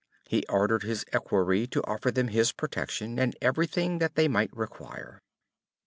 He ordered his equerry to offer them his protection, and everything that they might require.